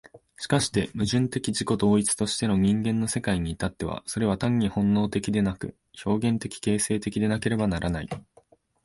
しかして矛盾的自己同一としての人間の世界に至っては、それは単に本能的でなく、表現的形成的でなければならない。